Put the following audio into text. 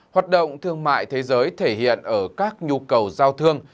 hoạt động thương mại thế giới thể hiện ở các nhu cầu giao thương